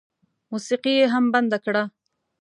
موسيقي یې هم بنده کړه.